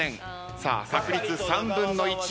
さあ確率３分の１。